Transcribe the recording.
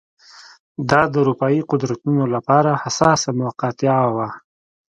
دا د اروپايي قدرتونو لپاره حساسه مقطعه وه.